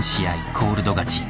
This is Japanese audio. コールド勝ち。